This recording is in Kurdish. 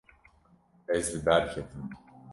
Ez li ber ketim.